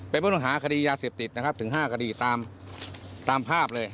เป็นผู้ต้องหาคดียาเสพติดนะครับถึง๕คดีตามภาพเลย